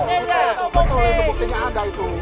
itu buktinya ada itu